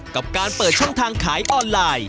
กับการเปิดช่องทางขายออนไลน์